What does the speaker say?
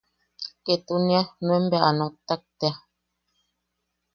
Ketunia nuen bea a noktak tea.